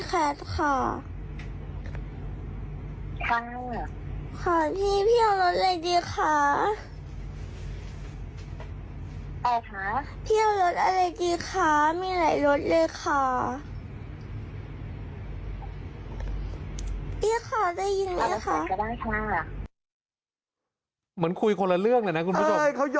ค่ะขอที่พี่เอารถอะไรดีค่ะ